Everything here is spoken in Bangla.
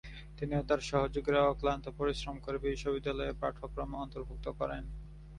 তিনি ও তার সহযোগীরা অক্লান্ত পরিশ্রম করে বিশ্ববিদ্যালয়ের পাঠক্রমে অন্তর্ভুক্ত করেন।